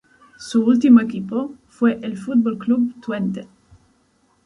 Su último equipo fue el Football Club Twente.